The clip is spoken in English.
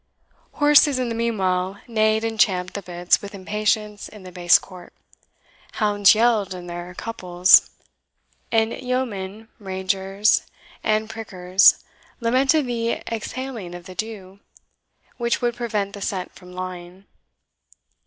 Horses in the meanwhile neighed and champed the bits with impatience in the base court; hounds yelled in their couples; and yeomen, rangers, and prickers lamented the exhaling of the dew, which would prevent the scent from lying.